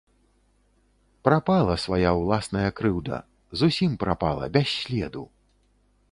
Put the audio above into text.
Прапала свая ўласная крыўда, зусім прапала, без следу.